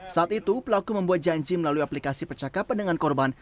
saat itu pelaku membuat janji melalui aplikasi percakapan dengan korban